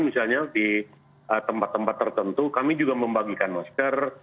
misalnya di tempat tempat tertentu kami juga membagikan masker